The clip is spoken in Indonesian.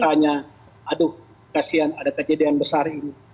kami tanya tanya aduh kasihan ada kejadian besar ini